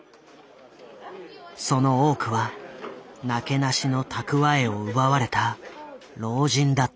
その多くはなけなしの蓄えを奪われた老人だった。